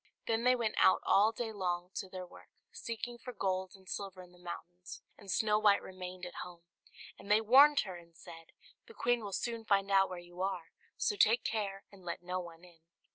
Then they went out all day long to their work, seeking for gold and silver in the mountains; and Snow White remained at home: and they warned her, and said, "The queen will soon find out where you are, so take care and let no one in."